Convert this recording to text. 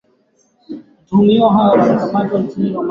Ilionesha kuwa daftari hilo lilitumiwa sio muda mrefu